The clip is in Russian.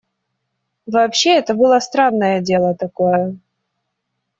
Вообще это было странное дело такое.